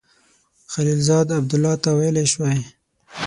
خلیلزاد عبدالله ته ویلای سوای.